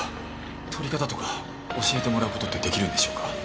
撮り方とか教えてもらう事ってできるんでしょうか？